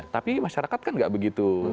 tapi masyarakat kan nggak begitu